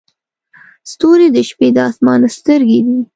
ستوري د شپې د اسمان سترګې دي.